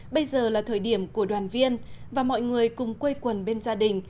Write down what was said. bây giờ là thời điểm của đoàn viên và mọi người cùng quây quần bên gia đình